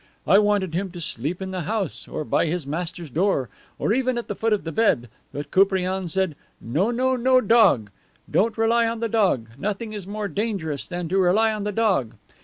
I wanted him to sleep in the house, or by his master's door, or even at the foot of the bed, but Koupriane said, 'No, no; no dog. Don't rely on the dog. Nothing is more dangerous than to rely on the dog.